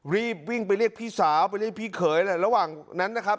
รีบวิ่งไปเรียกพี่สาวไปเรียกพี่เขยแหละระหว่างนั้นนะครับ